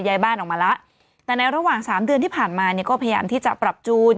ย้ายบ้านออกมาแล้วแต่ในระหว่างสามเดือนที่ผ่านมาเนี่ยก็พยายามที่จะปรับจูน